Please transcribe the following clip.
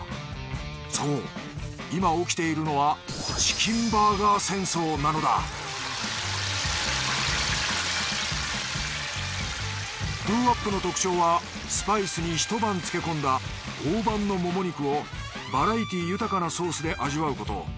そう今起きているのはＤｏｏＷｏｐの特徴はスパイスにひと晩漬け込んだ大判のもも肉をバラエティー豊かなソースで味わうこと。